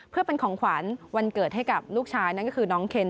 เพื่อเป็นของขวัญวันเกิดให้กับลูกชายนั่นก็คือน้องเคน